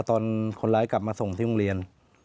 ตอนคนร้ายกลับมาส่งที่โรงเรียน